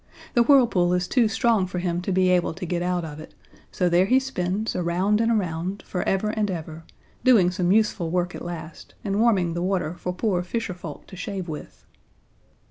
The whirlpool is too strong for him to be able to get out of it, so there he spins around and around forever and ever, doing some useful work at last, and warming the water for poor fisher folk to shave with.